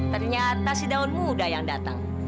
ternyata si daun muda yang datang